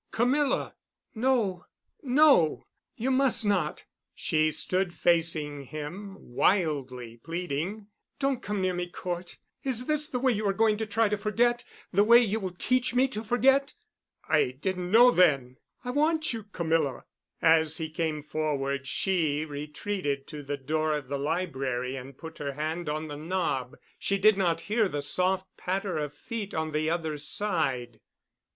"Camilla!" "No, no. You must not." She stood facing him, wildly pleading. "Don't come near me, Cort. Is this the way you are going to try to forget—the way you will teach me to forget?" "I didn't know then—I want you, Camilla——" As he came forward she retreated to the door of the library and put her hand on the knob. She did not hear the soft patter of feet on the other side.